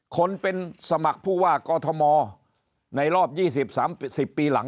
คนเป็นสมัครผู้ว่ากอทมในรอบ๒๐๓๐ปีหลัง